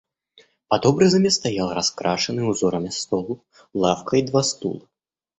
Под образами стоял раскрашенный узорами стол, лавка и два стула.